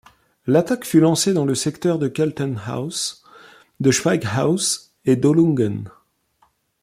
L’attaque fut lancée dans le secteur de Kaltenhouse, de Schweighouse et d'Ohlungen.